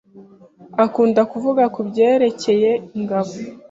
Akunda kuvuga kubyerekeye ingabo.